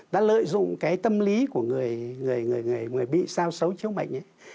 đã lợi dụng cái tâm lý của người người người bị sao xấu chiếu mệnh ấy